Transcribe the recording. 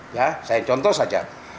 ya saya contoh saja